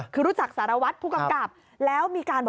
คือรู้จักสารวัตรผู้กำกับ